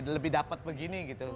lebih dapet begini gitu